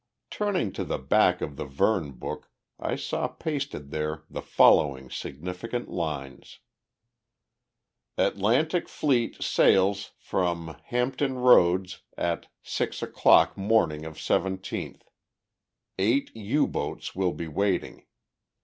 Turning to the back of the Verne book I saw pasted there the following significant lines: Atlantic Fleet sails (from) Hampton Roads (at) six (o'clock) morning of seventeenth. Eight U boats will be waiting.